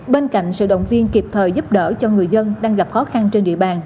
bên cạnh sự động viên kịp thời giúp đỡ cho người dân đang gặp khó khăn trên địa bàn